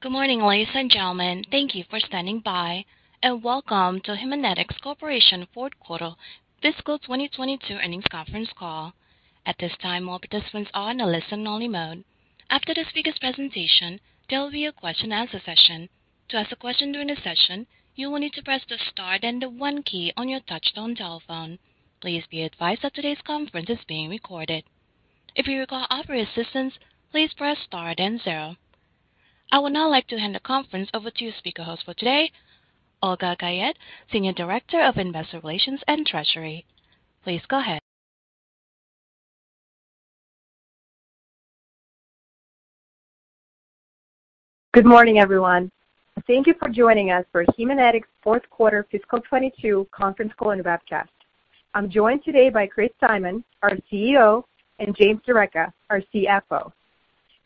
Good morning, ladies and gentlemen. Thank you for standing by and welcome to Haemonetics Corporation fourth quarter fiscal 2022 earnings conference call. At this time, all participants are in a listen only mode. After the speaker's presentation, there will be a question and answer session. To ask a question during the session, you will need to press the star then the one key on your touchtone telephone. Please be advised that today's conference is being recorded. If you require operator assistance, please press star then zero. I would now like to hand the conference over to your speaker host for today, Olga Guyette, Senior Director of Investor Relations and Treasury. Please go ahead. Good morning, everyone. Thank you for joining us for Haemonetics fourth quarter fiscal 2022 conference call and webcast. I'm joined today by Chris Simon, our CEO, and James D'Arecca, our CFO.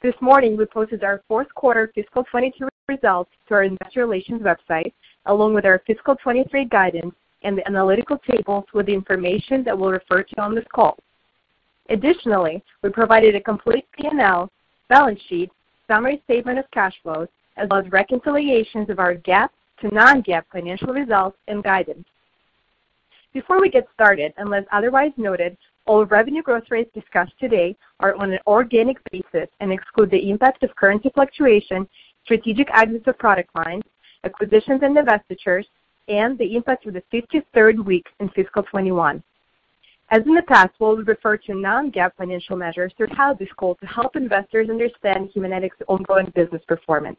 This morning, we posted our fourth quarter fiscal 2022 results to our investor relations website, along with our fiscal 2023 guidance and the analytical tables with the information that we'll refer to on this call. Additionally, we provided a complete P&L, balance sheet, summary statement of cash flows, as well as reconciliations of our GAAP to non-GAAP financial results and guidance. Before we get started, unless otherwise noted, all revenue growth rates discussed today are on an organic basis and exclude the impact of currency fluctuation, strategic exits of product lines, acquisitions and divestitures, and the impact of the 53rd week in fiscal 2021. As in the past, we'll refer to non-GAAP financial measures throughout this call to help investors understand Haemonetics' ongoing business performance.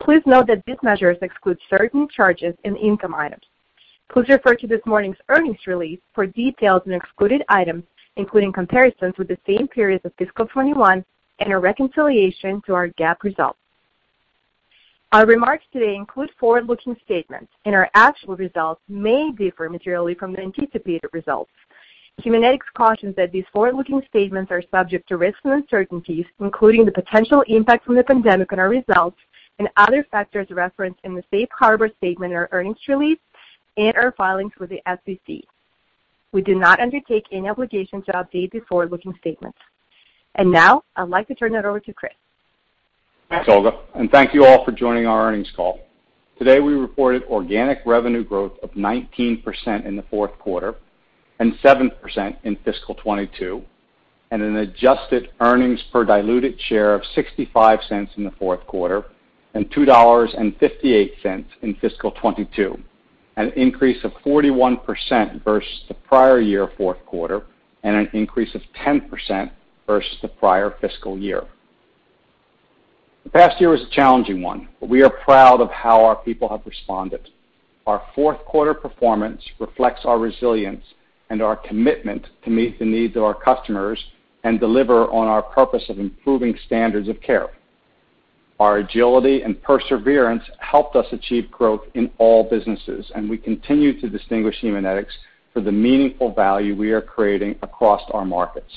Please note that these measures exclude certain charges and income items. Please refer to this morning's earnings release for details and excluded items, including comparisons with the same periods of fiscal 2021 and a reconciliation to our GAAP results. Our remarks today include forward-looking statements and our actual results may differ materially from the anticipated results. Haemonetics cautions that these forward-looking statements are subject to risks and uncertainties, including the potential impact from the pandemic on our results and other factors referenced in the safe harbor statement in our earnings release and our filings with the SEC. We do not undertake any obligation to update these forward-looking statements. Now, I'd like to turn it over to Chris. Thanks, Olga, and thank you all for joining our earnings call. Today, we reported organic revenue growth of 19% in the fourth quarter and 7% in fiscal 2022, and an adjusted earnings per diluted share of $0.65 in the fourth quarter and $2.58 in fiscal 2022, an increase of 41% versus the prior year fourth quarter and an increase of 10% versus the prior fiscal year. The past year was a challenging one, but we are proud of how our people have responded. Our fourth quarter performance reflects our resilience and our commitment to meet the needs of our customers and deliver on our purpose of improving standards of care. Our agility and perseverance helped us achieve growth in all businesses, and we continue to distinguish Haemonetics for the meaningful value we are creating across our markets.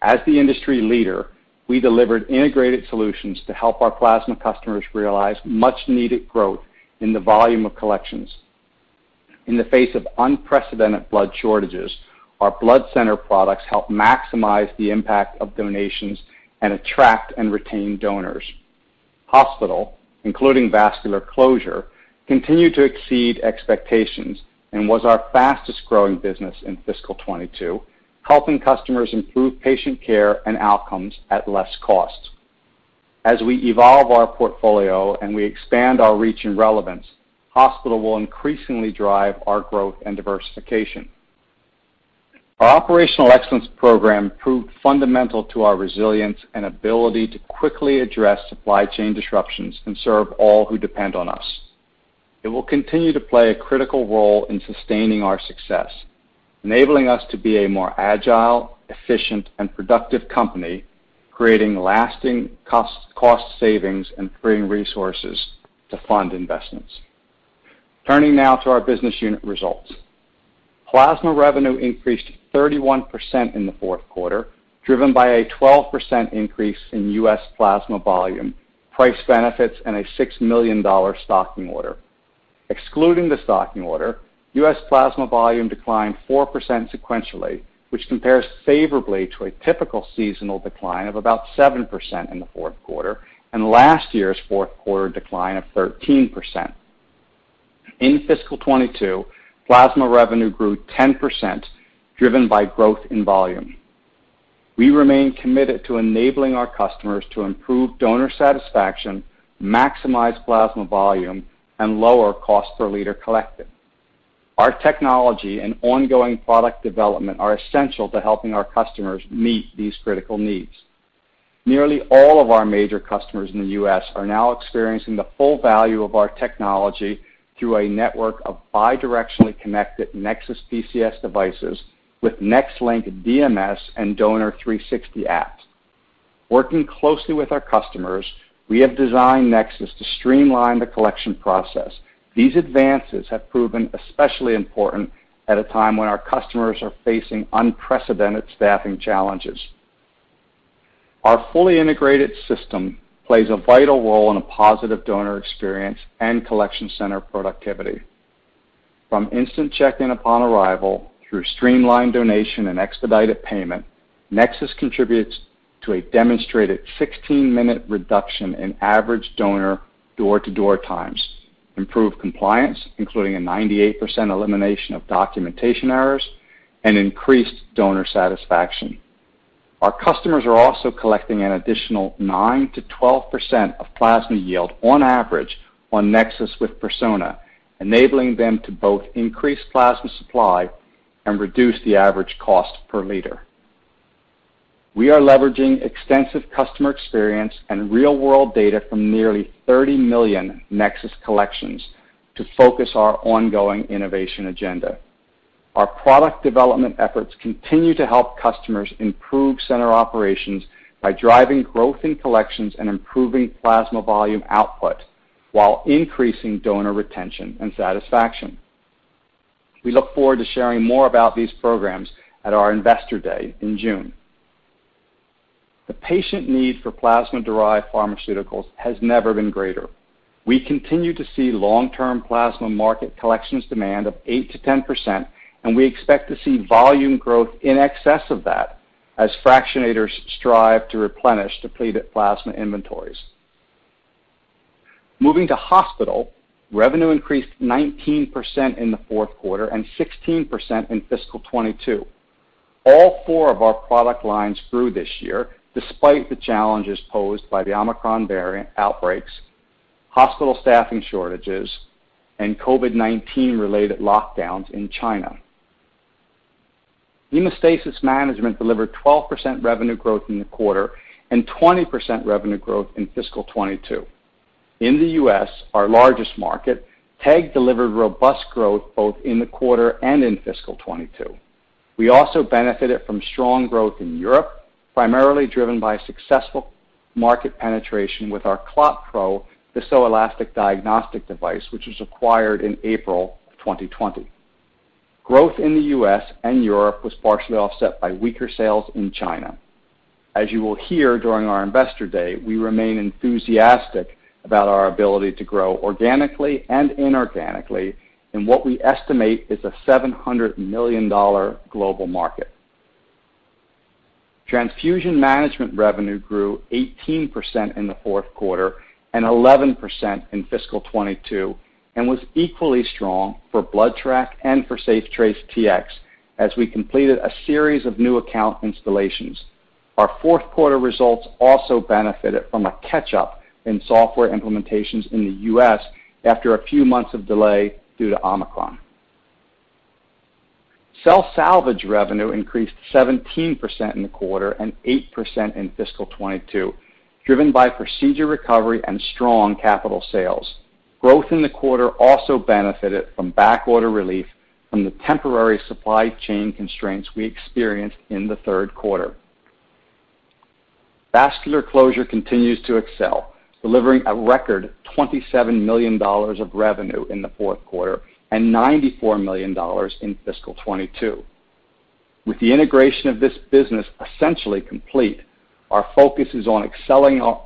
As the industry leader, we delivered integrated solutions to help our plasma customers realize much needed growth in the volume of collections. In the face of unprecedented blood shortages, our blood center products help maximize the impact of donations and attract and retain donors. Hospital, including Vascular Closure, continued to exceed expectations and was our fastest growing business in fiscal 2022, helping customers improve patient care and outcomes at less cost. As we evolve our portfolio and we expand our reach and relevance, hospital will increasingly drive our growth and diversification. Our Operational Excellence Program proved fundamental to our resilience and ability to quickly address supply chain disruptions and serve all who depend on us. It will continue to play a critical role in sustaining our success, enabling us to be a more agile, efficient, and productive company, creating lasting cost savings and freeing resources to fund investments. Turning now to our business unit results. Plasma revenue increased 31% in the fourth quarter, driven by a 12% increase in U.S. plasma volume, price benefits, and a $6 million stocking order. Excluding the stocking order, U.S. plasma volume declined 4% sequentially, which compares favorably to a typical seasonal decline of about 7% in the fourth quarter and last year's fourth quarter decline of 13%. In fiscal 2022, plasma revenue grew 10% driven by growth in volume. We remain committed to enabling our customers to improve donor satisfaction, maximize plasma volume, and lower cost per liter collected. Our technology and ongoing product development are essential to helping our customers meet these critical needs. Nearly all of our major customers in the U.S. are now experiencing the full value of our technology through a network of bidirectionally connected NexSys PCS devices with NexLynk DMS and Donor360 apps. Working closely with our customers, we have designed NexSys to streamline the collection process. These advances have proven especially important at a time when our customers are facing unprecedented staffing challenges. Our fully integrated system plays a vital role in a positive donor experience and collection center productivity. From instant check-in upon arrival through streamlined donation and expedited payment, NexSys contributes to a demonstrated 16-minute reduction in average donor door-to-door times, improved compliance, including a 98% elimination of documentation errors and increased donor satisfaction. Our customers are also collecting an additional 9%-12% of plasma yield on average on NexSys with Persona, enabling them to both increase plasma supply and reduce the average cost per liter. We are leveraging extensive customer experience and real-world data from nearly 30 million NexSys collections to focus our ongoing innovation agenda. Our product development efforts continue to help customers improve center operations by driving growth in collections and improving plasma volume output while increasing donor retention and satisfaction. We look forward to sharing more about these programs at our Investor Day in June. The patient need for plasma-derived pharmaceuticals has never been greater. We continue to see long-term plasma market collections demand of 8%-10%, and we expect to see volume growth in excess of that as fractionators strive to replenish depleted plasma inventories. Moving to hospital, revenue increased 19% in the fourth quarter and 16% in fiscal 2022. All four of our product lines grew this year despite the challenges posed by the Omicron variant outbreaks, hospital staffing shortages and COVID-19 related lockdowns in China. Hemostasis Management delivered 12% revenue growth in the quarter and 20% revenue growth in fiscal 2022. In the US, our largest market, TEG delivered robust growth both in the quarter and in fiscal 2022. We also benefited from strong growth in Europe, primarily driven by successful market penetration with our ClotPro viscoelastic diagnostic device, which was acquired in April 2020. Growth in the US and Europe was partially offset by weaker sales in China. As you will hear during our Investor Day, we remain enthusiastic about our ability to grow organically and inorganically in what we estimate is a $700 million global market. Transfusion Management revenue grew 18% in the fourth quarter and 11% in fiscal 2022, and was equally strong for BloodTrack and for SafeTrace Tx as we completed a series of new account installations. Our fourth quarter results also benefited from a catch-up in software implementations in the US after a few months of delay due to Omicron. Cell Salvage revenue increased 17% in the quarter and 8% in fiscal 2022, driven by procedure recovery and strong capital sales. Growth in the quarter also benefited from back order relief from the temporary supply chain constraints we experienced in the third quarter. Vascular Closure continues to excel, delivering a record $27 million of revenue in the fourth quarter and $94 million in fiscal 2022. With the integration of this business essentially complete, our focus is on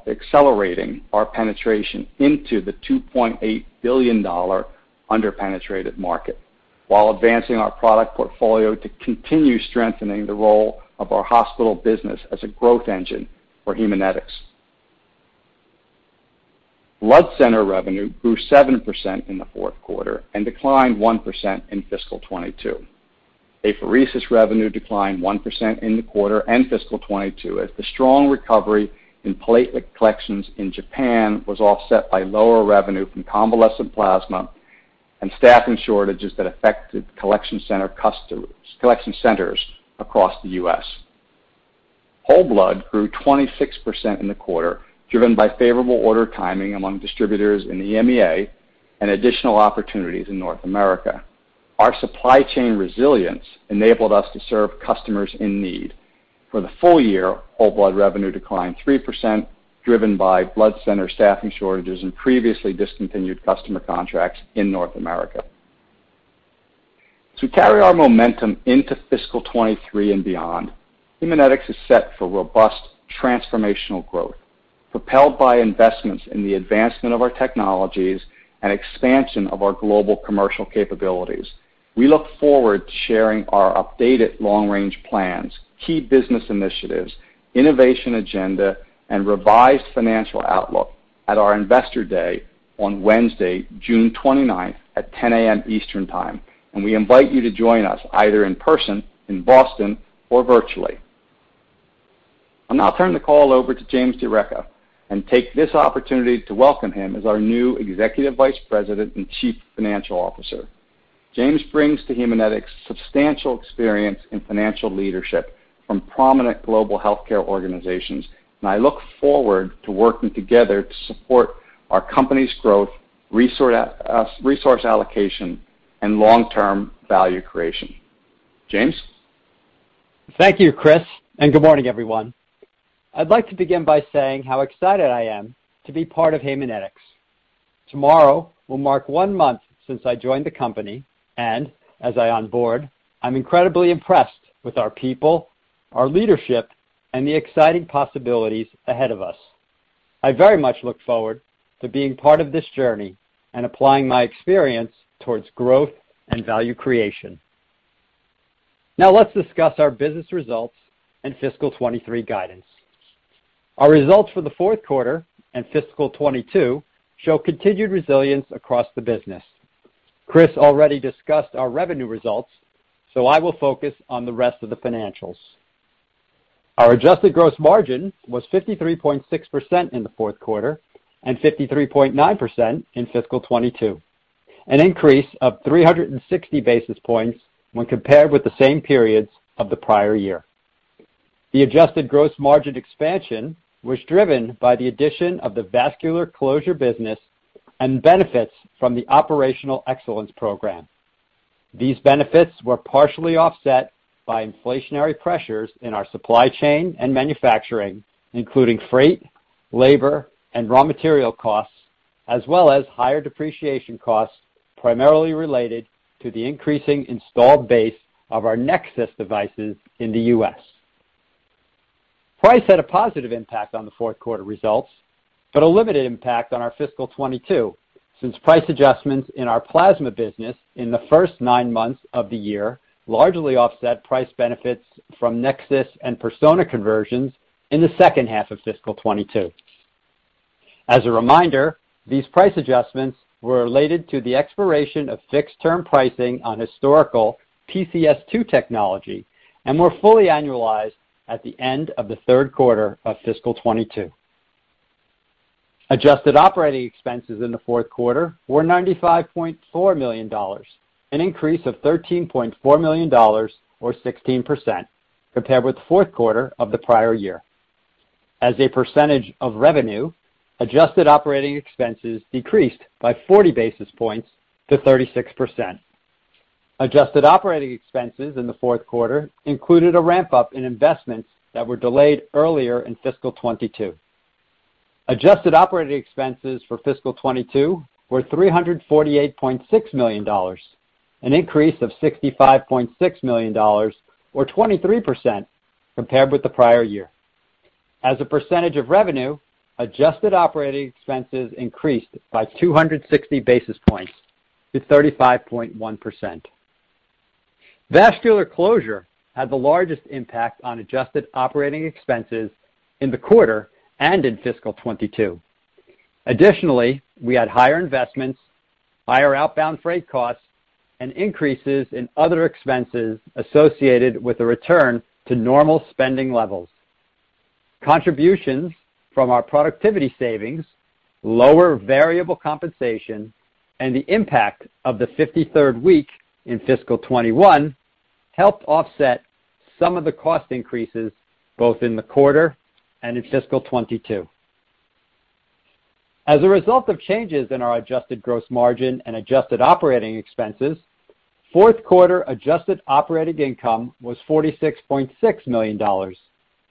accelerating our penetration into the $2.8 billion under-penetrated market while advancing our product portfolio to continue strengthening the role of our hospital business as a growth engine for Haemonetics. Blood Center revenue grew 7% in the fourth quarter and declined 1% in fiscal 2022. Apheresis revenue declined 1% in the quarter and fiscal 2022 as the strong recovery in platelet collections in Japan was offset by lower revenue from convalescent plasma and staffing shortages that affected collection centers across the US. Whole blood grew 26% in the quarter, driven by favorable order timing among distributors in the EMEA and additional opportunities in North America. Our supply chain resilience enabled us to serve customers in need. For the full-year, whole blood revenue declined 3%, driven by blood center staffing shortages and previously discontinued customer contracts in North America. To carry our momentum into fiscal 2023 and beyond, Haemonetics is set for robust transformational growth, propelled by investments in the advancement of our technologies and expansion of our global commercial capabilities. We look forward to sharing our updated long-range plans, key business initiatives, innovation agenda and revised financial outlook at our Investor Day on Wednesday, June 29 at 10 A.M. Eastern Time, and we invite you to join us either in person in Boston or virtually. I'll now turn the call over to James D'Arecca and take this opportunity to welcome him as our new Executive Vice President and Chief Financial Officer. James brings to Haemonetics substantial experience in financial leadership from prominent global healthcare organizations, and I look forward to working together to support our company's growth, resource allocation and long-term value creation. James? Thank you, Chris, and good morning, everyone. I'd like to begin by saying how excited I am to be part of Haemonetics. Tomorrow will mark one month since I joined the company, and as I onboard, I'm incredibly impressed with our people, our leadership and the exciting possibilities ahead of us. I very much look forward to being part of this journey and applying my experience towards growth and value creation. Now let's discuss our business results and fiscal 2023 guidance. Our results for the fourth quarter and fiscal 2022 show continued resilience across the business. Chris already discussed our revenue results, so I will focus on the rest of the financials. Our adjusted gross margin was 53.6% in the fourth quarter and 53.9% in fiscal 2022, an increase of 360 basis points when compared with the same periods of the prior year. The adjusted gross margin expansion was driven by the addition of the Vascular Closure business and benefits from the Operational Excellence Program. These benefits were partially offset by inflationary pressures in our supply chain and manufacturing, including freight, labor, and raw material costs, as well as higher depreciation costs, primarily related to the increasing installed base of our NexSys devices in the U.S. Price had a positive impact on the fourth quarter results, but a limited impact on our fiscal 2022, since price adjustments in our plasma business in the first nine months of the year largely offset price benefits from NexSys and Persona conversions in the second half of fiscal 2022. As a reminder, these price adjustments were related to the expiration of fixed-term pricing on historical PCS2 technology and were fully annualized at the end of the third quarter of fiscal 2022. Adjusted operating expenses in the fourth quarter were $95.4 million, an increase of $13.4 million or 16% compared with fourth quarter of the prior year. As a percentage of revenue, adjusted operating expenses decreased by 40 basis points to 36%. Adjusted operating expenses in the fourth quarter included a ramp-up in investments that were delayed earlier in fiscal 2022. Adjusted operating expenses for fiscal 2022 were $348.6 million, an increase of $65.6 million or 23% compared with the prior year. As a percentage of revenue, adjusted operating expenses increased by 260 basis points to 35.1%. Vascular Closure had the largest impact on adjusted operating expenses in the quarter and in fiscal 2022. Additionally, we had higher investments, higher outbound freight costs, and increases in other expenses associated with the return to normal spending levels. Contributions from our productivity savings, lower variable compensation, and the impact of the 53rd week in fiscal 2021 helped offset some of the cost increases, both in the quarter and in fiscal 2022. As a result of changes in our adjusted gross margin and adjusted operating expenses, fourth quarter adjusted operating income was $46.6 million,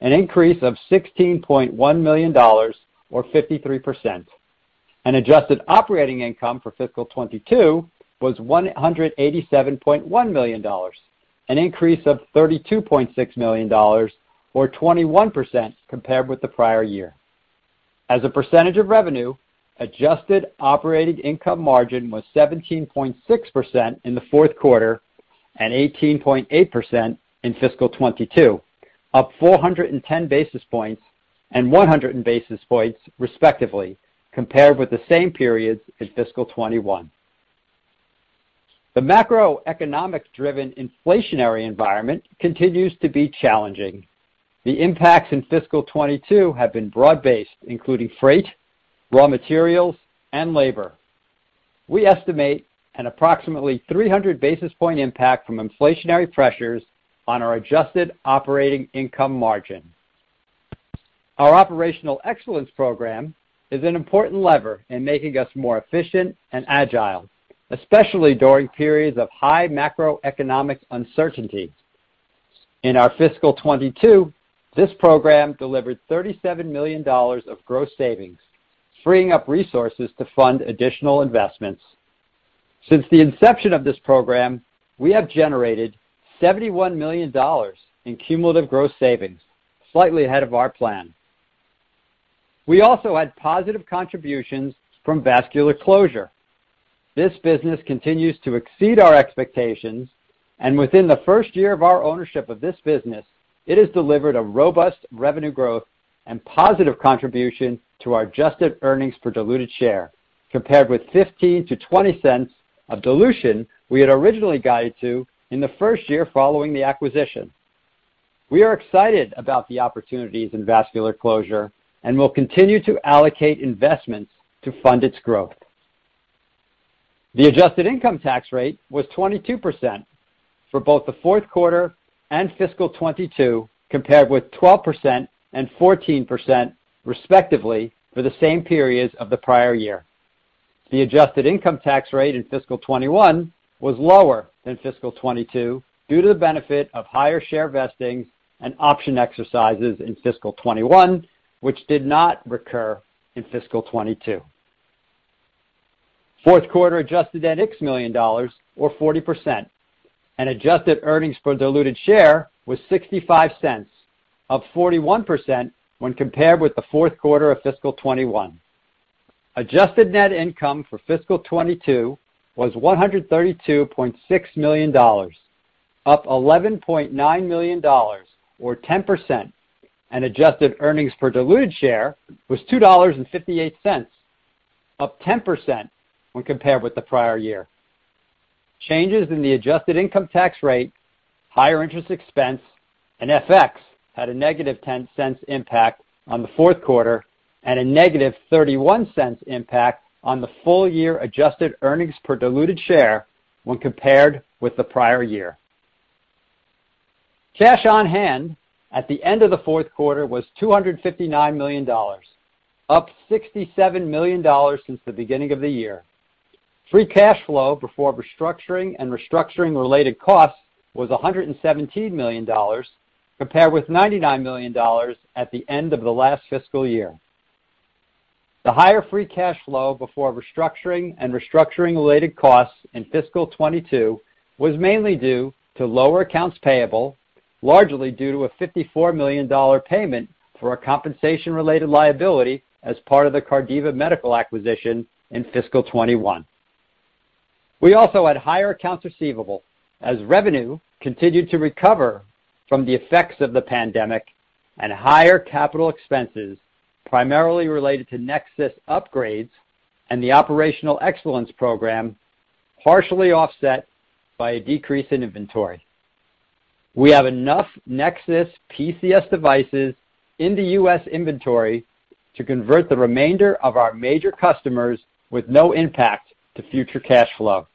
an increase of $16.1 million or 53%. Adjusted operating income for fiscal 2022 was $187.1 million, an increase of $32.6 million or 21% compared with the prior year. As a percentage of revenue, adjusted operating income margin was 17.6% in the fourth quarter and 18.8% in fiscal 2022, up 410 basis points and 100 basis points respectively, compared with the same periods in fiscal 2021. The macroeconomic-driven inflationary environment continues to be challenging. The impacts in fiscal 2022 have been broad-based, including freight, raw materials, and labor. We estimate an approximately 300 basis points impact from inflationary pressures on our adjusted operating income margin. Our Operational Excellence Program is an important lever in making us more efficient and agile, especially during periods of high macroeconomic uncertainty. In our fiscal 2022, this program delivered $37 million of gross savings, freeing up resources to fund additional investments. Since the inception of this program, we have generated $71 million in cumulative gross savings, slightly ahead of our plan. We also had positive contributions from Vascular Closure. This business continues to exceed our expectations, and within the first year of our ownership of this business, it has delivered a robust revenue growth and positive contribution to our adjusted earnings per diluted share, compared with $0.15-$0.20 of dilution we had originally guided to in the first year following the acquisition. We are excited about the opportunities in Vascular Closure and will continue to allocate investments to fund its growth. The adjusted income tax rate was 22% for both the fourth quarter and fiscal 2022, compared with 12% and 14% respectively for the same periods of the prior year. The adjusted income tax rate in fiscal 2021 was lower than fiscal 2022 due to the benefit of higher share vesting and option exercises in fiscal 2021, which did not recur in fiscal 2022. Fourth quarter adjusted net $X million or 40%. Adjusted earnings per diluted share was $0.65, up 41% when compared with the fourth quarter of fiscal 2021. Adjusted net income for fiscal 2022 was $132.6 million, up $11.9 million or 10%. Adjusted earnings per diluted share was $2.58, up 10% when compared with the prior year. Changes in the adjusted income tax rate, higher interest expense, and FX had a negative $0.10 impact on the fourth quarter and a negative $0.31 impact on the full-year adjusted earnings per diluted share when compared with the prior year. Cash on hand at the end of the fourth quarter was $259 million, up $67 million since the beginning of the year. Free cash flow before restructuring and restructuring-related costs was $117 million, compared with $99 million at the end of the last fiscal year. The higher free cash flow before restructuring and restructuring-related costs in fiscal 2022 was mainly due to lower accounts payable, largely due to a $54 million payment for a compensation-related liability as part of the Cardiva Medical acquisition in fiscal 2021. We also had higher accounts receivable as revenue continued to recover from the effects of the pandemic and higher capital expenditures, primarily related to NexSys upgrades and the Operational Excellence Program, partially offset by a decrease in inventory. We have enough NexSys PCS devices in the U.S. inventory to convert the remainder of our major customers with no impact to future cash flow.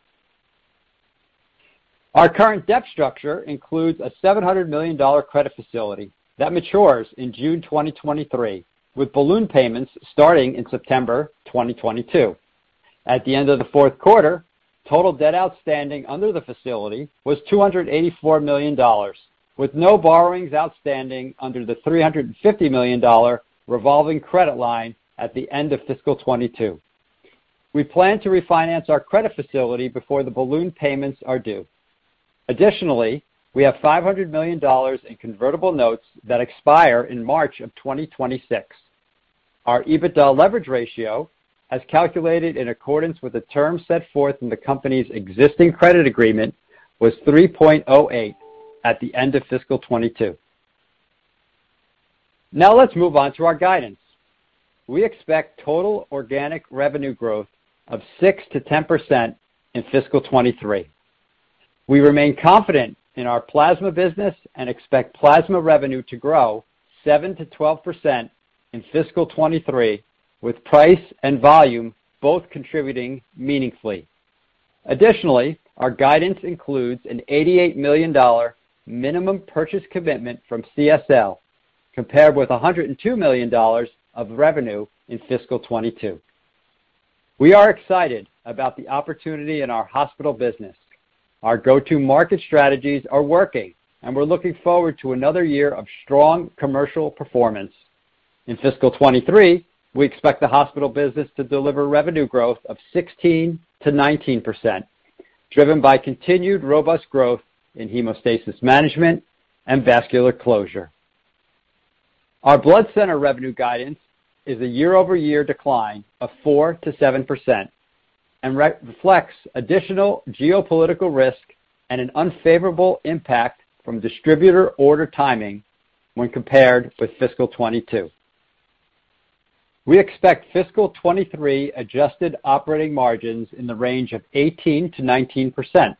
Our current debt structure includes a $700 million credit facility that matures in June 2023, with balloon payments starting in September 2022. At the end of the fourth quarter, total debt outstanding under the facility was $284 million, with no borrowings outstanding under the $350 million revolving credit line at the end of fiscal 2022. We plan to refinance our credit facility before the balloon payments are due. Additionally, we have $500 million in convertible notes that expire in March of 2026. Our EBITDA leverage ratio, as calculated in accordance with the terms set forth in the company's existing credit agreement, was 3.08 at the end of fiscal 2022. Now let's move on to our guidance. We expect total organic revenue growth of 6%-10% in fiscal 2023. We remain confident in our plasma business and expect plasma revenue to grow 7%-12% in fiscal 2023, with price and volume both contributing meaningfully. Additionally, our guidance includes a $88 million minimum purchase commitment from CSL, compared with $102 million of revenue in fiscal 2022. We are excited about the opportunity in our hospital business. Our go-to-market strategies are working, and we're looking forward to another year of strong commercial performance. In fiscal 2023, we expect the hospital business to deliver revenue growth of 16%-19%, driven by continued robust growth in Hemostasis Management and Vascular Closure. Our blood center revenue guidance is a year-over-year decline of 4%-7% and reflects additional geopolitical risk and an unfavorable impact from distributor order timing when compared with fiscal 2022. We expect fiscal 2023 adjusted operating margins in the range of 18%-19%.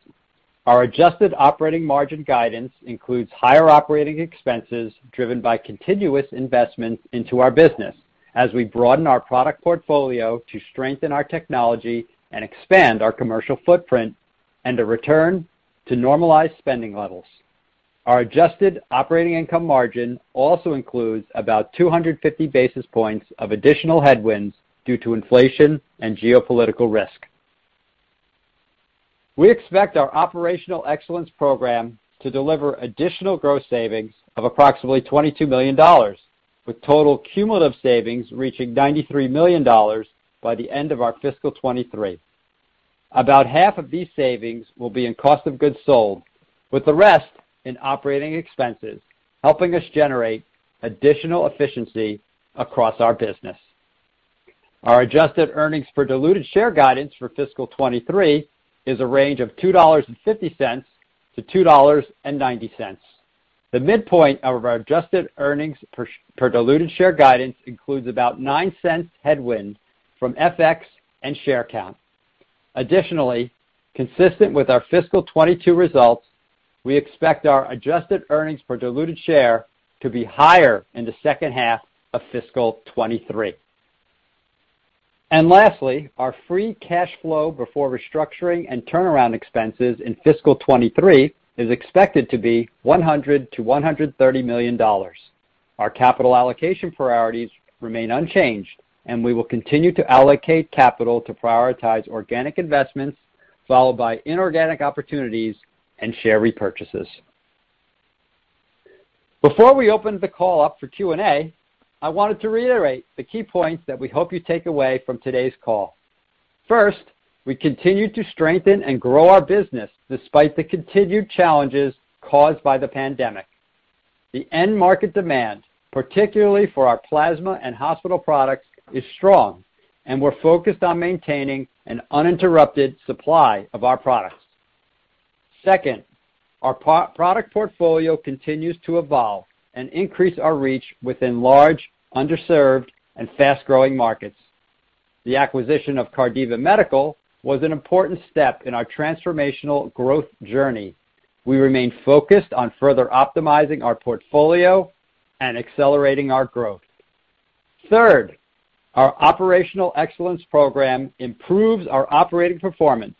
Our adjusted operating margin guidance includes higher operating expenses driven by continuous investment into our business as we broaden our product portfolio to strengthen our technology and expand our commercial footprint and a return to normalized spending levels. Our adjusted operating income margin also includes about 250 basis points of additional headwinds due to inflation and geopolitical risk. We expect our Operational Excellence Program to deliver additional gross savings of approximately $22 million, with total cumulative savings reaching $93 million by the end of our fiscal 2023. About half of these savings will be in cost of goods sold, with the rest in operating expenses, helping us generate additional efficiency across our business. Our adjusted earnings per diluted share guidance for fiscal 2023 is a range of $2.50-$2.90. The midpoint of our adjusted earnings per diluted share guidance includes about $0.09 headwind from FX and share count. Additionally, consistent with our fiscal 2022 results, we expect our adjusted earnings per diluted share to be higher in the second half of fiscal 2023. Lastly, our free cash flow before restructuring and turnaround expenses in fiscal 2023 is expected to be $100-130 million. Our capital allocation priorities remain unchanged, and we will continue to allocate capital to prioritize organic investments followed by inorganic opportunities and share repurchases. Before we open the call up for Q&A, I wanted to reiterate the key points that we hope you take away from today's call. First, we continue to strengthen and grow our business despite the continued challenges caused by the pandemic. The end market demand, particularly for our plasma and hospital products, is strong, and we're focused on maintaining an uninterrupted supply of our products. Second, our product portfolio continues to evolve and increase our reach within large, underserved, and fast-growing markets. The acquisition of Cardiva Medical was an important step in our transformational growth journey. We remain focused on further optimizing our portfolio and accelerating our growth. Third, our Operational Excellence Program improves our operating performance,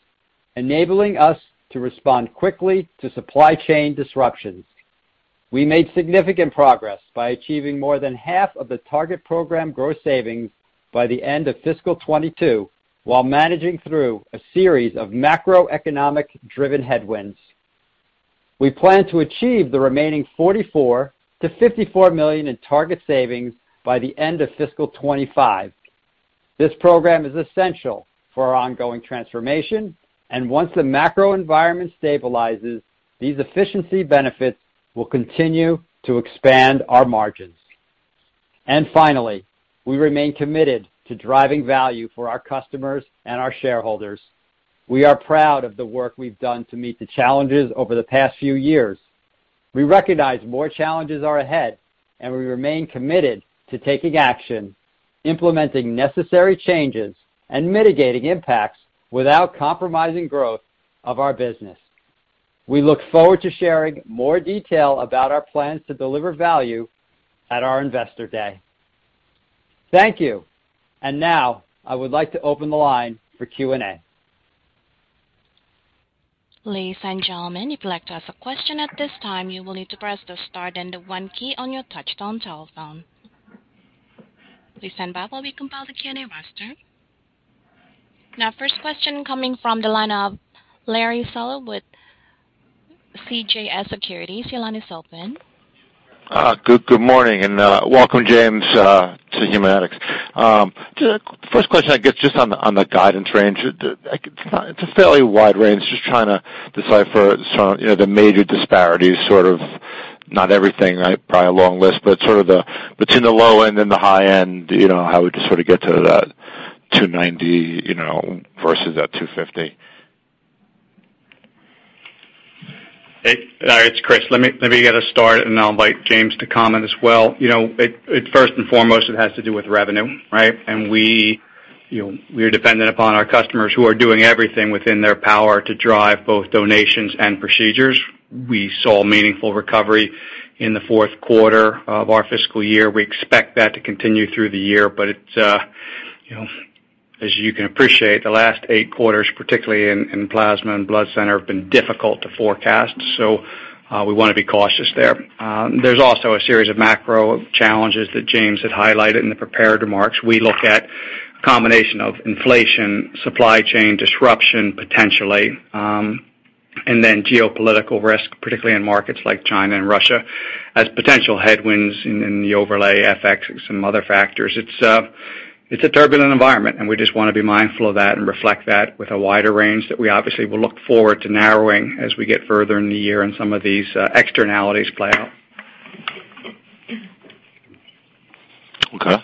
enabling us to respond quickly to supply chain disruptions. We made significant progress by achieving more than half of the target program gross savings by the end of fiscal 2022, while managing through a series of macroeconomic-driven headwinds. We plan to achieve the remaining $44-54 million in target savings by the end of fiscal 2025. This program is essential for our ongoing transformation, and once the macro environment stabilizes, these efficiency benefits will continue to expand our margins. Finally, we remain committed to driving value for our customers and our shareholders. We are proud of the work we've done to meet the challenges over the past few years. We recognize more challenges are ahead, and we remain committed to taking action, implementing necessary changes, and mitigating impacts without compromising growth of our business. We look forward to sharing more detail about our plans to deliver value at our Investor Day. Thank you. Now I would like to open the line for Q&A. Ladies and gentlemen, if you'd like to ask a question at this time, you will need to press the star then the one key on your touchtone telephone. Please stand by while we compile the Q&A roster. Now, first question coming from the line of Larry Solow with CJS Securities. Your line is open. Good morning and welcome James to Haemonetics. First question, I guess, just on the guidance range. It's a fairly wide range. Just trying to decipher some of, you know, the major disparities, sort of not everything, right? Probably a long list, but sort of the between the low end and the high end, you know, how we just sort of get to that $290, you know, versus that $250. Hey, all right, it's Chris. Let me get us started, and then I'll invite James to comment as well. You know, it first and foremost has to do with revenue, right? We, you know, are dependent upon our customers who are doing everything within their power to drive both donations and procedures. We saw meaningful recovery in the fourth quarter of our fiscal year. We expect that to continue through the year. It's, you know, as you can appreciate, the last eight quarters, particularly in Plasma and Blood Center, have been difficult to forecast. We wanna be cautious there. There's also a series of macro challenges that James had highlighted in the prepared remarks. We look at a combination of inflation, supply chain disruption, potentially, and then geopolitical risk, particularly in markets like China and Russia, as potential headwinds in the overlay FX and some other factors. It's a turbulent environment, and we just wanna be mindful of that and reflect that with a wider range that we obviously will look forward to narrowing as we get further in the year and some of these externalities play out. Okay.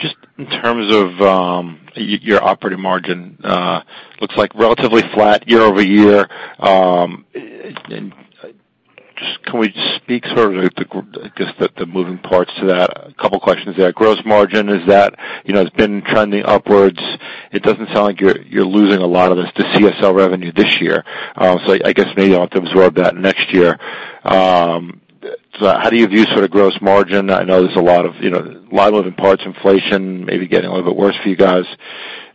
Just in terms of your operating margin, looks like relatively flat year-over-year. Can we speak sort of the moving parts to that? I guess the moving parts. A couple of questions there. Gross margin is that, you know, it's been trending upwards. It doesn't sound like you're losing a lot of this to CSL revenue this year. I guess maybe you'll have to absorb that next year. How do you view sort of gross margin? I know there's a lot of, you know, lot of moving parts, inflation maybe getting a little bit worse for you guys.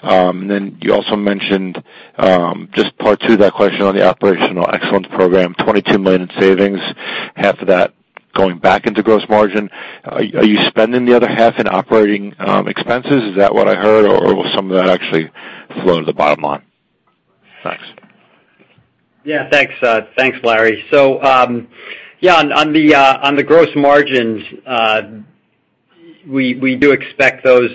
Then you also mentioned just part two of that question on the Operational Excellence Program, $22 million in savings, half of that going back into gross margin. Are you spending the other half in operating expenses? Is that what I heard, or will some of that actually flow to the bottom line? Thanks. Thanks, Larry. On the gross margins, we do expect those,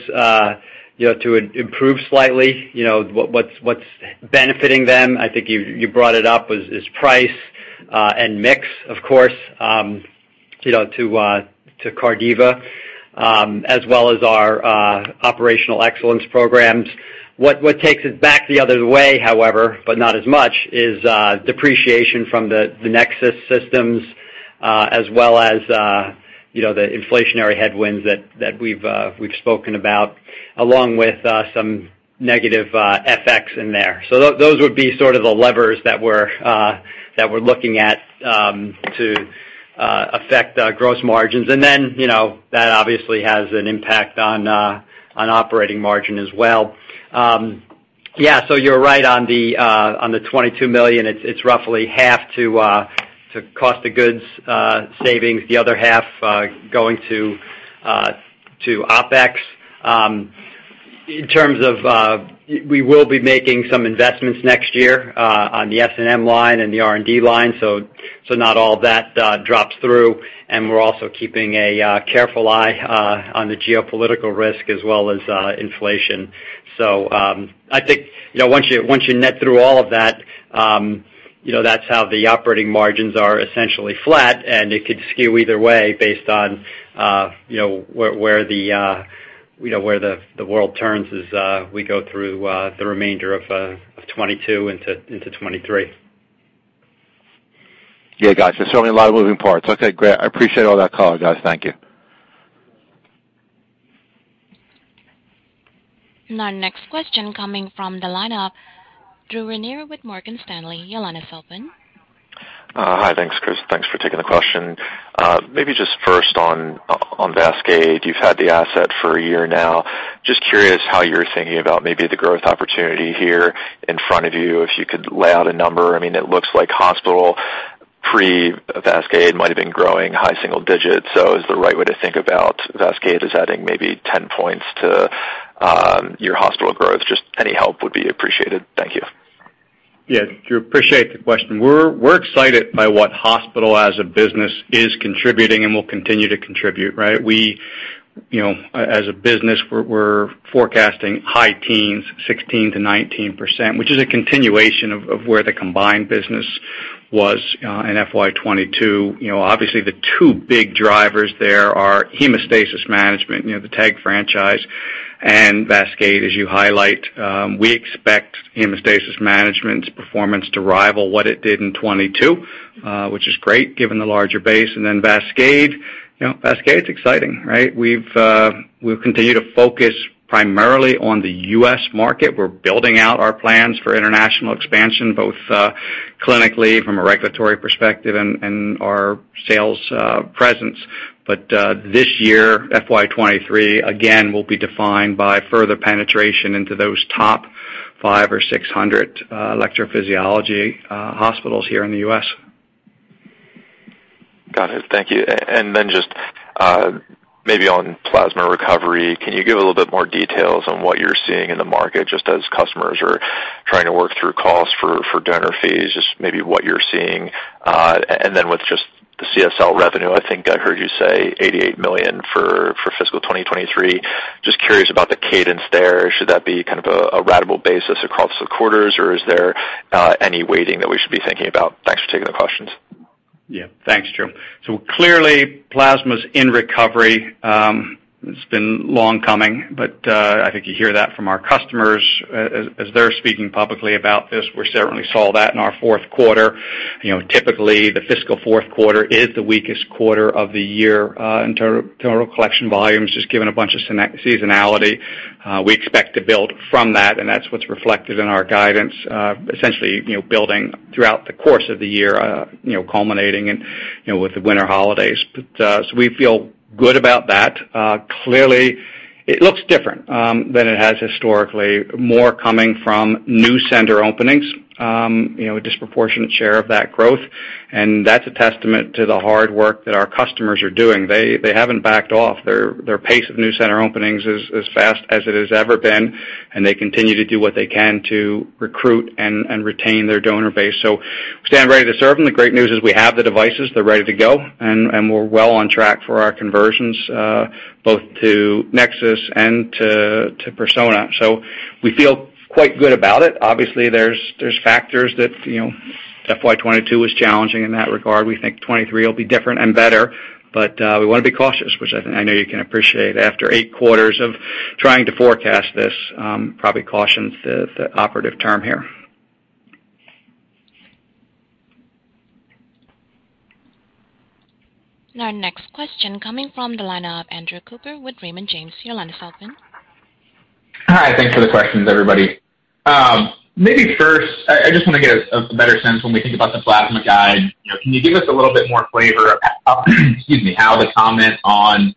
you know, to improve slightly. You know, what's benefiting them, I think you brought it up, is price and mix, of course, you know, to Cardiva, as well as our Operational Excellence programs. What takes us back the other way, however, but not as much, is depreciation from the NexSys systems, as well as, you know, the inflationary headwinds that we've spoken about, along with some negative FX in there. Those would be sort of the levers that we're looking at to affect gross margins. Then, you know, that obviously has an impact on operating margin as well. Yeah, you're right on the $22 million. It's roughly half to cost of goods savings, the other half going to OpEx. In terms of we will be making some investments next year on the S&M line and the R&D line, so not all that drops through. We're also keeping a careful eye on the geopolitical risk as well as inflation. I think you know once you net through all of that you know that's how the operating margins are essentially flat, and it could skew either way based on you know where the world turns as we go through the remainder of 2022 into 2023. Yeah, got you. Certainly a lot of moving parts. Okay, great. I appreciate all that color, guys. Thank you. Now next question coming from the line of Drew Ranieri with Morgan Stanley. Your line is open. Hi. Thanks, Chris. Thanks for taking the question. Maybe just first on VASCADE, you've had the asset for a year now. Just curious how you're thinking about maybe the growth opportunity here in front of you, if you could lay out a number. I mean, it looks like hospital pre-VASCADE might've been growing high single digits. Is the right way to think about VASCADE adding maybe 10 points to your hospital growth? Just any help would be appreciated. Thank you. Yeah, Drew, appreciate the question. We're excited by what hospital as a business is contributing and will continue to contribute, right? We, you know, as a business, we're forecasting high teens, 16%-19%, which is a continuation of where the combined business was in FY 2022. You know, obviously the two big drivers there are Hemostasis Management, you know, the TEG franchise and VASCADE, as you highlight. We expect Hemostasis Management's performance to rival what it did in 2022, which is great given the larger base. Then VASCADE, you know, VASCADE's exciting, right? We've continued to focus primarily on the U.S. market. We're building out our plans for international expansion both clinically from a regulatory perspective and our sales presence. This year, FY 2023, again, will be defined by further penetration into those top 500-600 electrophysiology hospitals here in the U.S. Got it. Thank you. Just maybe on plasma recovery, can you give a little bit more details on what you're seeing in the market, just as customers are trying to work through costs for donor fees, just maybe what you're seeing? With just the CSL revenue, I think I heard you say $88 million for fiscal 2023. Just curious about the cadence there. Should that be kind of a ratable basis across the quarters, or is there any weighting that we should be thinking about? Thanks for taking the questions. Yeah. Thanks, Drew. Clearly, plasma's in recovery. It's been long coming, but I think you hear that from our customers as they're speaking publicly about this. We certainly saw that in our fourth quarter. You know, typically the fiscal fourth quarter is the weakest quarter of the year, in total collection volumes, just given a bunch of seasonality. We expect to build from that, and that's what's reflected in our guidance, essentially, you know, building throughout the course of the year, you know, culminating in, you know, with the winter holidays. We feel good about that. Clearly it looks different than it has historically, more coming from new center openings, you know, a disproportionate share of that growth, and that's a testament to the hard work that our customers are doing. They haven't backed off. Their pace of new center openings is as fast as it has ever been, and they continue to do what they can to recruit and retain their donor base. We stand ready to serve them. The great news is we have the devices, they're ready to go, and we're well on track for our conversions, both to NexSys and to Persona. We feel quite good about it. Obviously, there's factors that, you know, FY 2022 was challenging in that regard. We think 2023 will be different and better, but we wanna be cautious, which I know you can appreciate after eight quarters of trying to forecast this, probably caution's the operative term here. Our next question coming from the line of Andrew Cooper with Raymond James. Your line is open. Hi. Thanks for the questions, everybody. Maybe first, I just wanna get a better sense when we think about the plasma guide. You know, can you give us a little bit more flavor, excuse me, how the comment on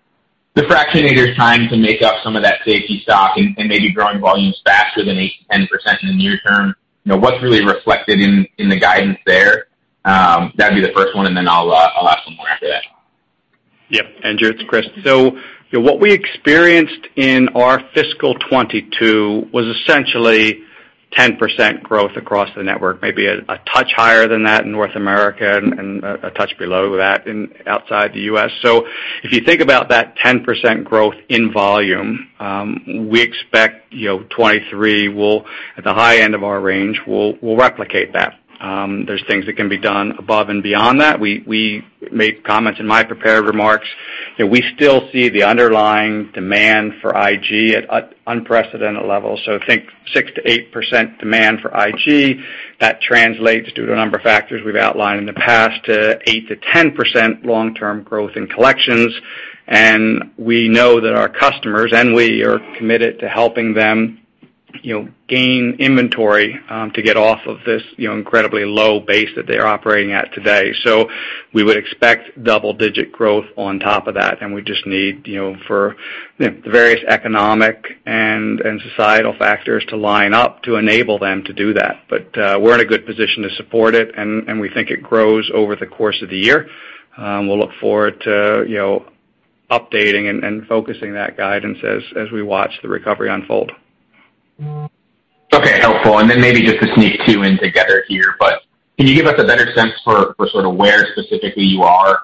the fractionator's time to make up some of that safety stock and maybe growing volumes faster than 8%-10% in the near term? You know, what's really reflected in the guidance there? That'd be the first one, and then I'll have some more after that. Yeah, Andrew, it's Chris. You know, what we experienced in our fiscal 2022 was essentially 10% growth across the network, maybe a touch higher than that in North America and a touch below that outside the U.S. If you think about that 10% growth in volume, we expect, you know, 2023 will, at the high end of our range, replicate that. There's things that can be done above and beyond that. We made comments in my prepared remarks. You know, we still see the underlying demand for IG at unprecedented levels. Think 6%-8% demand for IG. That translates to the number of factors we've outlined in the past to 8%-10% long-term growth in collections. We know that our customers and we are committed to helping them, you know, gain inventory, to get off of this, you know, incredibly low base that they're operating at today. We would expect double-digit growth on top of that, and we just need, you know, for, you know, the various economic and societal factors to line up to enable them to do that. We're in a good position to support it, and we think it grows over the course of the year. We'll look forward to, you know, updating and focusing that guidance as we watch the recovery unfold. Okay, helpful. Maybe just to sneak two in together here, but can you give us a better sense for sort of where specifically you are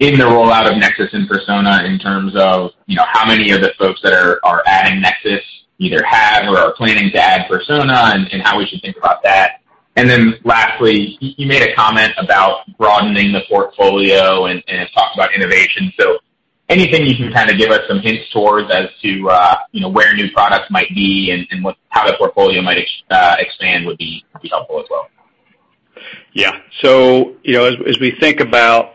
in the rollout of NexSys and Persona in terms of, you know, how many of the folks that are adding NexSys either have or are planning to add Persona and how we should think about that. Lastly, you made a comment about broadening the portfolio and talked about innovation. Anything you can kind of give us some hints towards as to, you know, where new products might be and how the portfolio might expand would be helpful as well. Yeah. You know, as we think about,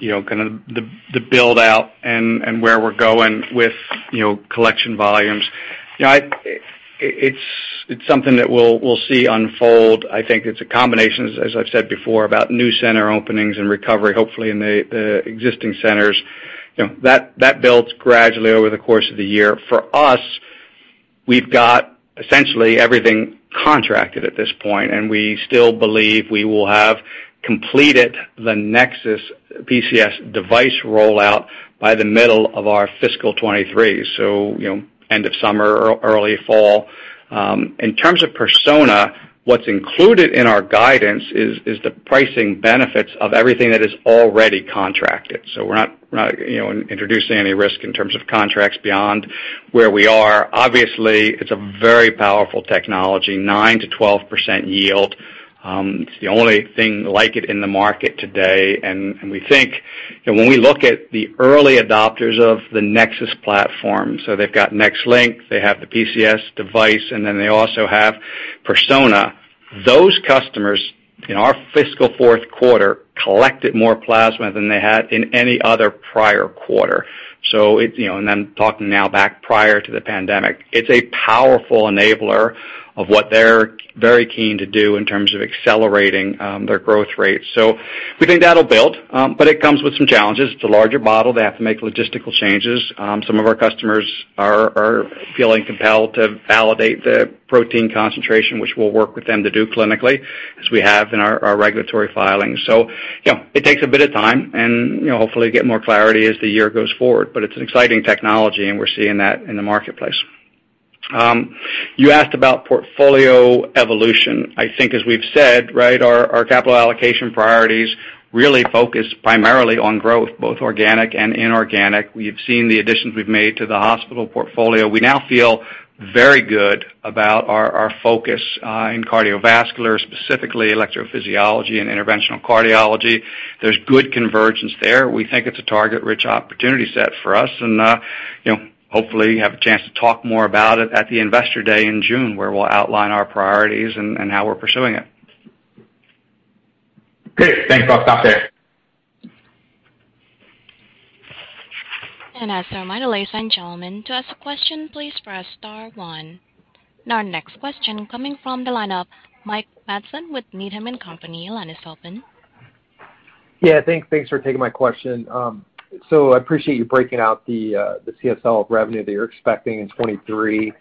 you know, kind of the build-out and where we're going with, you know, collection volumes, you know, it's something that we'll see unfold. I think it's a combination, as I've said before, about new center openings and recovery, hopefully in the existing centers. You know, that builds gradually over the course of the year. For us, we've got essentially everything contracted at this point, and we still believe we will have completed the NexSys PCS device rollout by the middle of our fiscal 2023. You know, end of summer or early fall. In terms of Persona, what's included in our guidance is the pricing benefits of everything that is already contracted. We're not, you know, introducing any risk in terms of contracts beyond where we are. Obviously, it's a very powerful technology, 9%-12% yield. It's the only thing like it in the market today. We think that when we look at the early adopters of the NexSys platform, so they've got NexLynk, they have the PCS device, and then they also have Persona. Those customers in our fiscal fourth quarter collected more plasma than they had in any other prior quarter. It, you know, and I'm talking now back prior to the pandemic. It's a powerful enabler of what they're very keen to do in terms of accelerating their growth rate. We think that'll build, but it comes with some challenges. It's a larger model. They have to make logistical changes. Some of our customers are feeling compelled to validate the protein concentration, which we'll work with them to do clinically as we have in our regulatory filings. You know, it takes a bit of time and, you know, hopefully get more clarity as the year goes forward. It's an exciting technology, and we're seeing that in the marketplace. You asked about portfolio evolution. I think as we've said, right, our capital allocation priorities really focus primarily on growth, both organic and inorganic. We've seen the additions we've made to the hospital portfolio. We now feel very good about our focus in cardiovascular, specifically electrophysiology and interventional cardiology. There's good convergence there. We think it's a target-rich opportunity set for us and, you know, hopefully have a chance to talk more about it at the Investor Day in June, where we'll outline our priorities and how we're pursuing it. Great. Thanks. I'll stop there. As a reminder, ladies and gentlemen, to ask a question, please press star one. Our next question coming from the line of Mike Matson with Needham & Company. Your line is open. Yeah. Thanks for taking my question. So I appreciate you breaking out the CSL revenue that you're expecting in 2023. You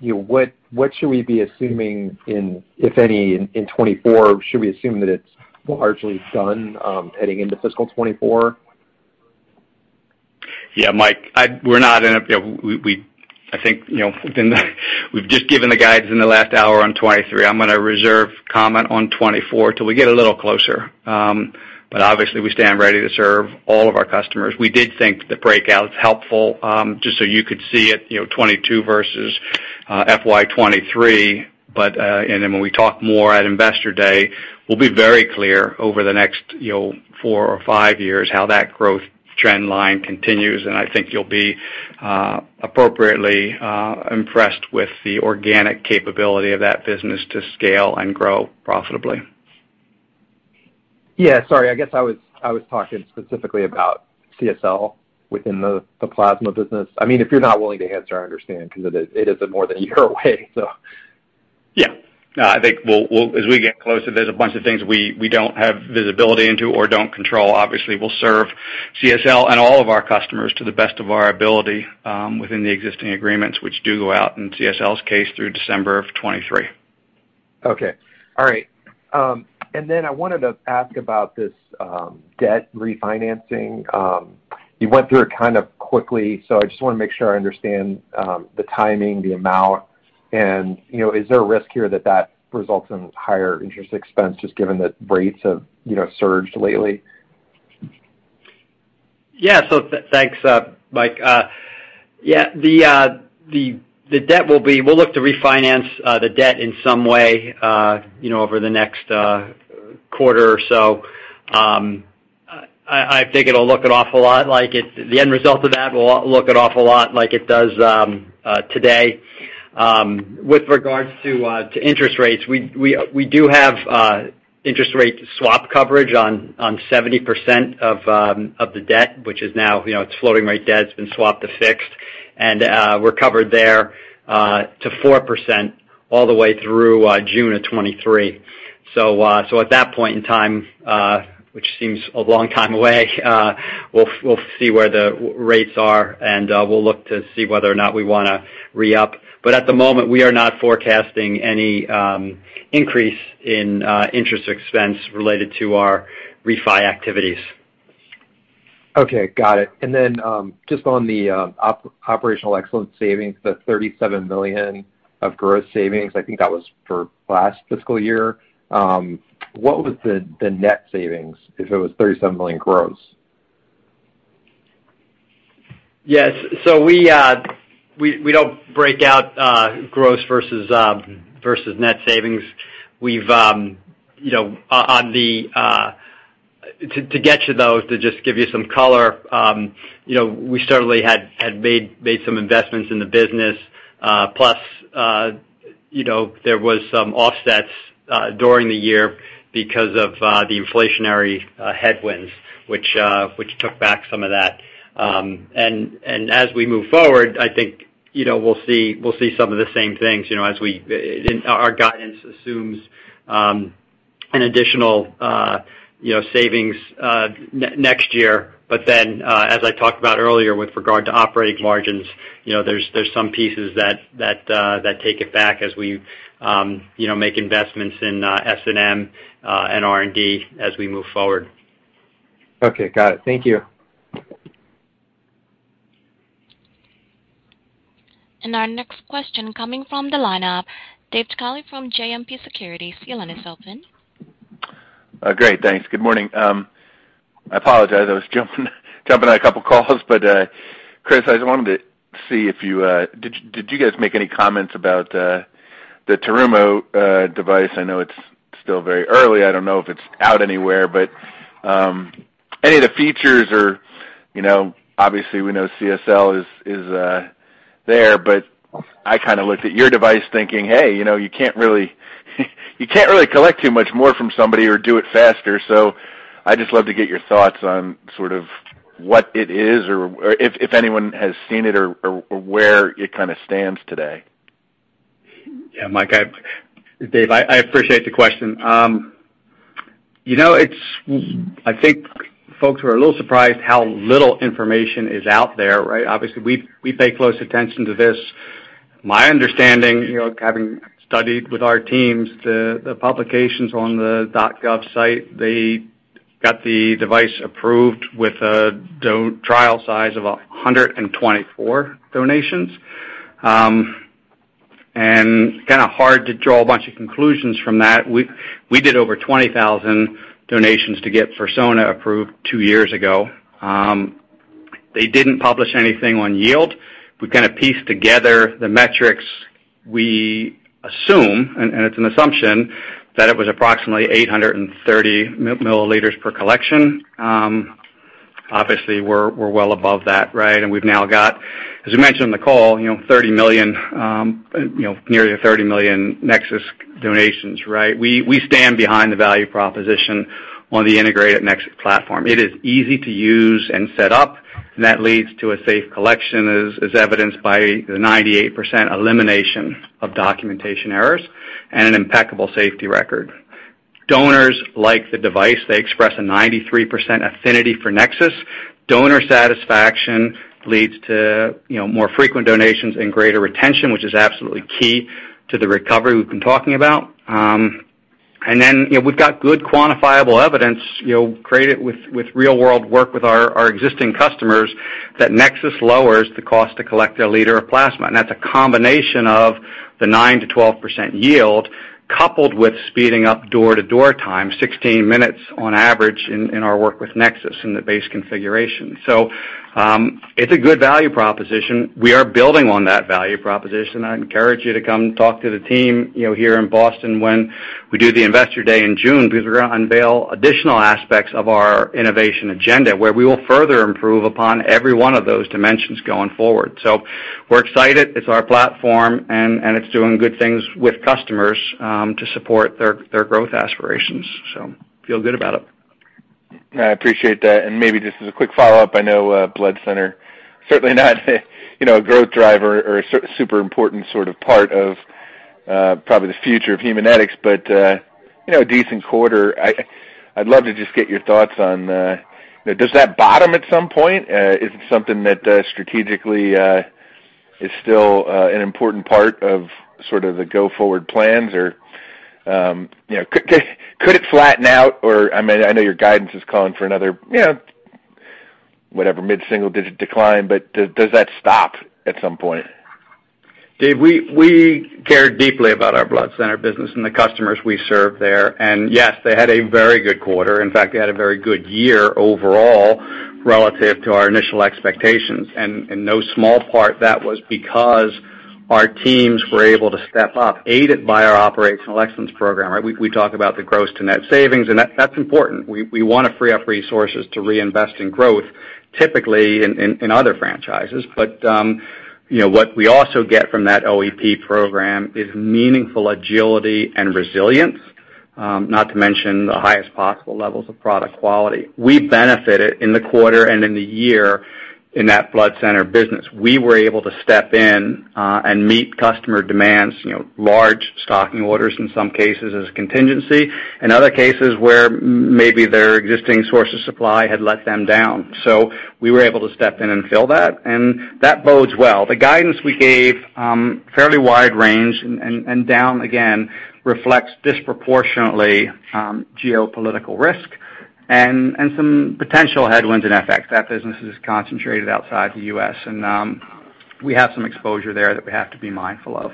know, what should we be assuming, if any, in 2024? Should we assume that it's largely done heading into fiscal 2024? Yeah, Mike, we're not in a, you know, I think, you know, we've just given the guidance in the last hour on 2023. I'm gonna reserve comment on 2024 till we get a little closer. But obviously, we stand ready to serve all of our customers. We did think the breakout's helpful, just so you could see it, you know, 2022 versus FY 2023. But, and then when we talk more at Investor Day, we'll be very clear over the next, you know, four or five years how that growth trend line continues. I think you'll be appropriately impressed with the organic capability of that business to scale and grow profitably. Yeah. Sorry. I guess I was talking specifically about CSL within the plasma business. I mean, if you're not willing to answer, I understand 'cause it is more than a year away, so. Yeah. No, I think we'll, as we get closer, there's a bunch of things we don't have visibility into or don't control. Obviously, we'll serve CSL and all of our customers to the best of our ability, within the existing agreements, which do go out in CSL's case through December of 2023. Okay. All right. I wanted to ask about this debt refinancing. You went through it kind of quickly, so I just wanna make sure I understand the timing, the amount. You know, is there a risk here that results in higher interest expense just given that rates have, you know, surged lately? Yeah. Thanks, Mike. Yeah, the debt we'll look to refinance the debt in some way, you know, over the next quarter or so. I think the end result of that will look an awful lot like it does today. With regards to interest rates, we do have interest rate swap coverage on 70% of the debt, which is now, you know, it's floating rate debt. It's been swapped to fixed. We're covered there to 4% all the way through June of 2023. At that point in time, which seems a long time away, we'll see where the rates are, and we'll look to see whether or not we wanna re-up. At the moment, we are not forecasting any increase in interest expense related to our refi activities. Okay, got it. Then, just on the operational excellence savings, the $37 million of gross savings, I think that was for last fiscal year. What was the net savings if it was $37 million gross? Yes. We don't break out gross versus net savings. We've, you know, to get to those, to just give you some color, you know, we certainly had made some investments in the business. Plus, you know, there was some offsets during the year because of the inflationary headwinds, which took back some of that. As we move forward, I think, you know, we'll see some of the same things, you know. Our guidance assumes an additional, you know, savings next year. as I talked about earlier with regard to operating margins, you know, there's some pieces that take it back as we, you know, make investments in S&M and R&D as we move forward. Okay, got it. Thank you. Our next question coming from the lineup, David Turkaly from JMP Securities. Your line is open. Great. Thanks. Good morning. I apologize, I was jumping on a couple calls, but Chris, I just wanted to see if you... Did you guys make any comments about the Terumo device? I know it's still very early. I don't know if it's out anywhere. Any of the features or, you know, obviously we know CSL is there. I kinda looked at your device thinking, "Hey, you know, you can't really collect too much more from somebody or do it faster." I just love to get your thoughts on sort of what it is or if anyone has seen it or where it kinda stands today. Yeah, Mike, Dave, I appreciate the question. You know, I think folks were a little surprised how little information is out there, right? Obviously, we pay close attention to this. My understanding, you know, having studied with our teams the publications on the dot gov site, they got the device approved with a trial size of 124 donations. It's kinda hard to draw a bunch of conclusions from that. We did over 20,000 donations to get Persona approved two years ago. They didn't publish anything on yield. We kinda pieced together the metrics. We assume, and it's an assumption, that it was approximately 830 milliliters per collection. Obviously, we're well above that, right? We've now got, as we mentioned in the call, you know, 30 million, you know, nearly 30 million NexSys donations, right? We stand behind the value proposition on the integrated NexSys platform. It is easy to use and set up, and that leads to a safe collection, as evidenced by the 98% elimination of documentation errors and an impeccable safety record. Donors like the device. They express a 93% affinity for NexSys. Donor satisfaction leads to, you know, more frequent donations and greater retention, which is absolutely key to the recovery we've been talking about. You know, we've got good quantifiable evidence, you know, created with real-world work with our existing customers, that NexSys lowers the cost to collect a liter of plasma. That's a combination of the 9%-12% yield coupled with speeding up door-to-door time, 16 minutes on average in our work with NexSys in the base configuration. It's a good value proposition. We are building on that value proposition. I encourage you to come talk to the team, you know, here in Boston when we do the Investor Day in June, because we're gonna unveil additional aspects of our innovation agenda, where we will further improve upon every one of those dimensions going forward. We're excited. It's our platform, and it's doing good things with customers to support their growth aspirations. Feel good about it. I appreciate that. Maybe just as a quick follow-up, I know blood center certainly not, you know, a growth driver or super important sort of part of probably the future of Haemonetics, but you know a decent quarter. I'd love to just get your thoughts on, you know, does that bottom at some point? Is it something that strategically is still an important part of sort of the go-forward plans? Or you know could it flatten out or. I mean, I know your guidance is calling for another, you know, whatever mid-single digit decline, but does that stop at some point? Dave, we care deeply about our blood center business and the customers we serve there. Yes, they had a very good quarter. In fact, they had a very good year overall relative to our initial expectations. In no small part that was because our teams were able to step up, aided by our operational excellence program. We talked about the gross to net savings, and that's important. We wanna free up resources to reinvest in growth, typically in other franchises. You know, what we also get from that OEP program is meaningful agility and resilience, not to mention the highest possible levels of product quality. We benefited in the quarter and in the year in that blood center business. We were able to step in and meet customer demands, you know, large stocking orders in some cases as a contingency, in other cases where maybe their existing source of supply had let them down. We were able to step in and fill that, and that bodes well. The guidance we gave, fairly wide range and down again reflects disproportionately, geopolitical risk and some potential headwinds in FX. That business is concentrated outside the U.S. and, we have some exposure there that we have to be mindful of.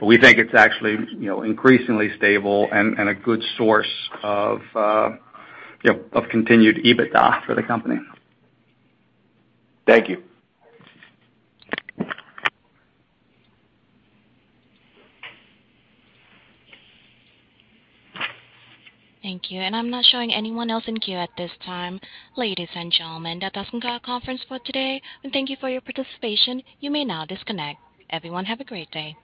We think it's actually, you know, increasingly stable and a good source of, you know, of continued EBITDA for the company. Thank you. Thank you. I'm not showing anyone else in queue at this time. Ladies and gentlemen, that does conclude our conference for today. Thank you for your participation. You may now disconnect. Everyone, have a great day.